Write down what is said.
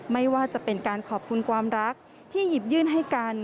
ไม่ว่าจะเป็นการขอบคุณความรักที่หยิบยื่นให้กัน